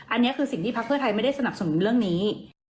อันนี้คือสิ่งที่พักเพื่อไทยไม่ได้สนับสนุนเรื่องนี้